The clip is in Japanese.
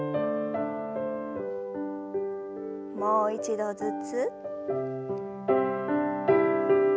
もう一度ずつ。